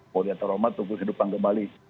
polri atta rahmat tunggu kehidupan kembali